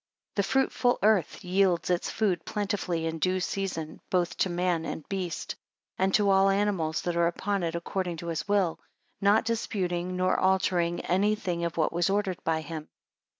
8 The fruitful earth yields its food plentifully in due season both to man and beast, and to all animals that are upon it, according to his will; not disputing, nor altering any thing of what was ordered by him.